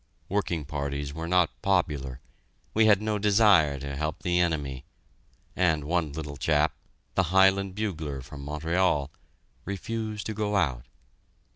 Working parties were not popular we had no desire to help the enemy and one little chap, the Highland bugler from Montreal, refused to go out.